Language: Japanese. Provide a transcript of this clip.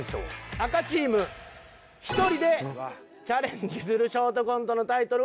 赤チーム１人でチャレンジするショートコントのタイトルは。